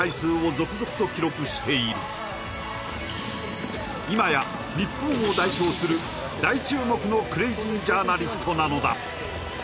続々と記録している今や日本を代表する大注目のクレイジージャーナリストなのだ